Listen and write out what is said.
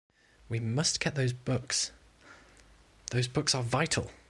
We must get those books; those books are vital.